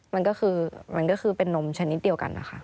มันก็คือเป็นนมชนิดเดียวกันนะคะ